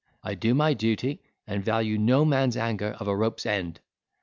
I do my duty, and value no man's anger of a rope's end.